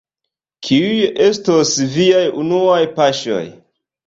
Kiuj estos viaj unuaj paŝoj?